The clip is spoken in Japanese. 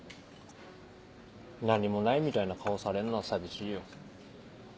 何もないみたいな顔されるのは寂しいよ。